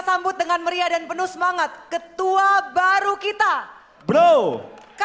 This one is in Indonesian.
sambut dengan meriah dan penuh semangat ketua baru kita bro